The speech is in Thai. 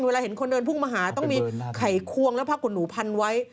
เวลาเห็นคนเดินพุ่งมาหาต้องมีไข่ควงแล้วผ้าขนหนูพันไว้